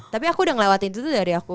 tapi aku udah ngelewatin itu tuh dari aku